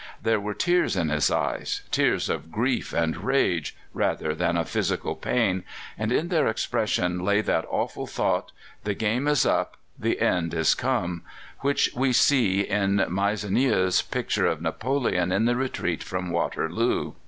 There were tears in his eyes tears of grief and rage rather than of physical pain and in their expression lay that awful thought, 'The game is up, the end is come,' which we see in Meissonier's picture of Napoleon in the retreat from Waterloo."